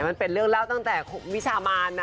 มันเป็นเรื่องเล่าตั้งแต่วิชามานนะ